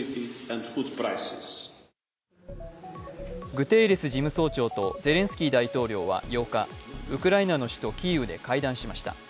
グテーレス事務総長とゼレンスキー大統領は８日ウクライナの首都キーウで会談しました。